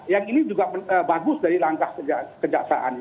yang ini juga bagus dari langkah kejaksaan